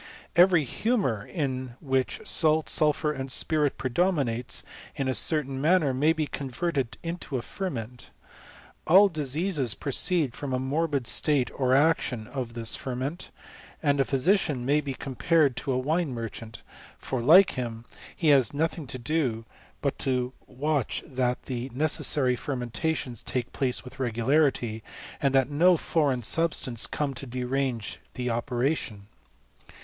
Every himiour in which salt, sulphur, and spirit predominates in a certain manner, may be con , verted into a ferment. All diseases proceed from & morbid state or action of this ferment ; and a physic cian may be compared to a wine merchant ; for, lik& him, he has nothing to do but to watch that the ne cessary fermentations take place with regularity, and that no foreign substance come to derange the ope« ration.